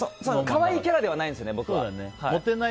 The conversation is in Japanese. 可愛いキャラではないんですよね、僕は。